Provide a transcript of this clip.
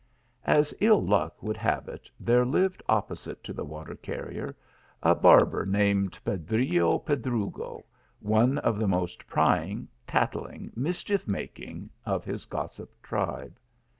As ill luck would have it, there lived opposite to the water carrier a barber, named Pedrillo Pedrugo, one of the most prying, tattling, mischief making, of his gossip tribe.